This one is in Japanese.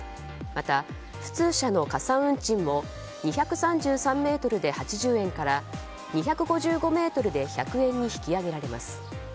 また、普通車の加算運賃も２３３ｍで８０円から２５５ｍで１００円に引き上げられます。